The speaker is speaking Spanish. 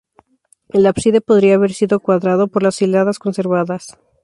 El ábside podría haber sido cuadrado, por las hiladas conservadas.